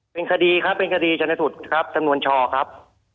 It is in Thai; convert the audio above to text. เป็นคดีครับเป็นคดีชนสูตรครับจำนวนชอครับ